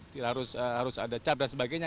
tidak harus ada cap dan sebagainya